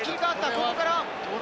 ここから。